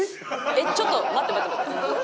えっちょっと待って待って待って。